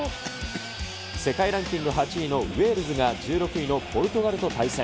世界ランキング８位のウェールズが１６位のポルトガルと対戦。